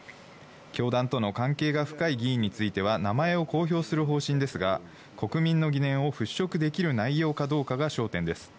教団との関係が深い議員については名前を公表する方針ですが、国民の疑念を払拭できる内容かどうかが焦点です。